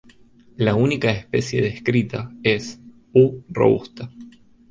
La única especie descrita es "U. robusta".